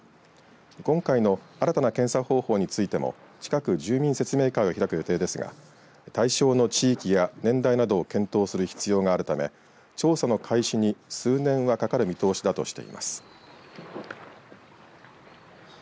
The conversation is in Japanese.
今回の新たな検査方法についても近く住民説明会を開く予定ですが対象の地域や年代などを検討する必要があるため調査の開始に数年はかかる見通しだとしています。